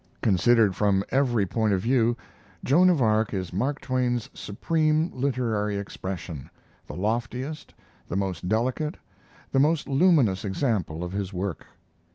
Considered from every point of view, Joan of Arc is Mark Twain's supreme literary expression, the loftiest, the most delicate, the most luminous example of his work.